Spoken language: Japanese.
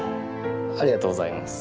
ありがとうございます。